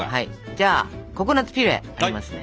じゃあココナツピュレありますね。